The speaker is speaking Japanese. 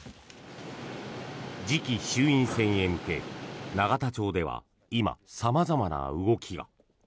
次期衆院選へ向け永田町では今、様々な動きが。